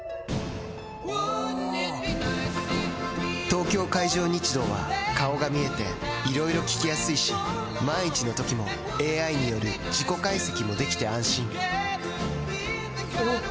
東京海上日動は顔が見えていろいろ聞きやすいし万一のときもＡＩによる事故解析もできて安心おぉ！